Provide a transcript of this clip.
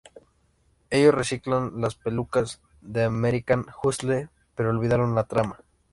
Ellos reciclan las pelucas de American Hustle pero olvidaron la trama.